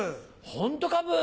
ホントかブ。